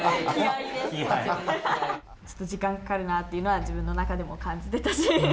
ちょっと時間かかるなというのは自分の中でも感じてたし。